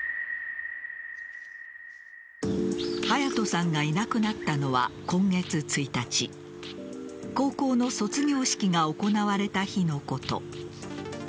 隼都さんがいなくなったのは今月１日高校の卒業式が行われた日のこと。